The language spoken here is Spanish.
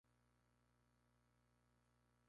Esta facultad recaía en el Gobierno y en su presidente.